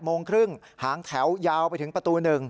โมงครึ่งหางแถวยาวไปถึงประตู๑